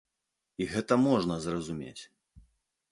І гэта можна зразумець.